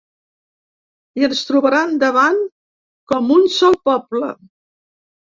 I ens trobaran davant com un sol poble.